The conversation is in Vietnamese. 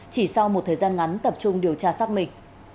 chỉ sau một thời gian ngắn tập trung điều tra xác minh